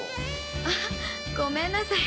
あっごめんなさい。